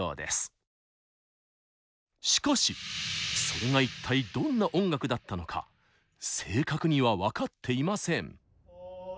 しかしそれが一体どんな音楽だったのか正確には分かっていません。